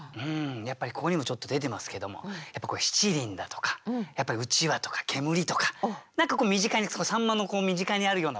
やっぱりここにもちょっと出てますけどもやっぱ七輪だとかやっぱりうちわとか煙とか何か身近に秋刀魚の身近にあるようなもの